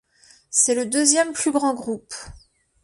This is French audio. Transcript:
C'est le deuxième plus grand groupe.